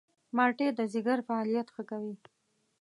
مالټې د ځيګر فعالیت ښه کوي.